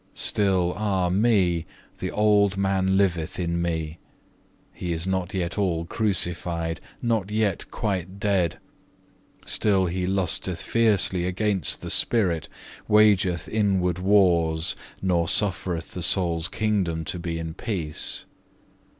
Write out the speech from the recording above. Still, ah me! the old man liveth in me: he is not yet all crucified, not yet quite dead; still he lusteth fiercely against the spirit, wageth inward wars, nor suffereth the soul's kingdom to be in peace.